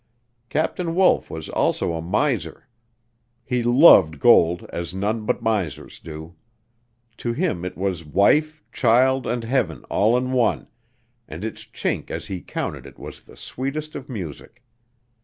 Captain Wolf was also a miser. He loved gold as none but misers do. To him it was wife, child and heaven all in one, and its chink as he counted it was the sweetest of music.